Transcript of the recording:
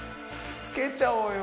つけちゃおうよ。